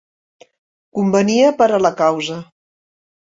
Convenia per a la causa.